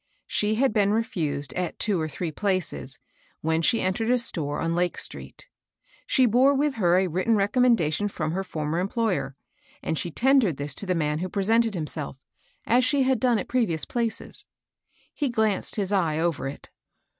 She had been refused at two or three places, when she entered a store on Lake street. She bore with her a written recommendation from her A SEARCH FOR WORK. 87 former employer, and she tendered this to the man who presented himself, as she had done at previous places. He glanced his eye over it.